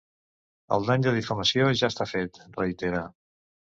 El dany de difamació ja està fet, reitera.